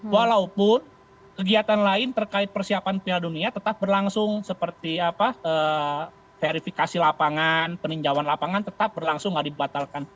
walaupun kegiatan lain terkait persiapan piala dunia tetap berlangsung seperti verifikasi lapangan peninjauan lapangan tetap berlangsung nggak dibatalkan